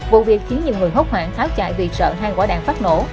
vụ việc khiến nhiều người hốt hoảng tháo chạy vì sợ hai quả đạn phát nổ